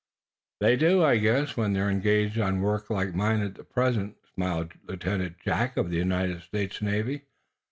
"They do, I guess, when they're engaged on work like mine at present," smiled Lieutenant Jack, United States Navy.